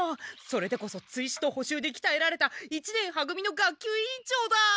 それでこそ追試と補習できたえられた一年は組の学級委員長だ！